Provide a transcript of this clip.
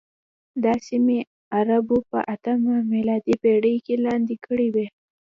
دا سیمې عربانو په اتمه میلادي پېړۍ کې لاندې کړې وې.